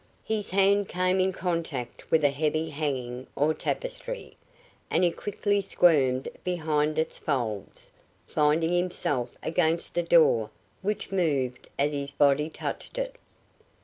His hand came in contact with a heavy hanging or tapestry, and he quickly squirmed behind its folds, finding himself against a door which moved as his body touched it.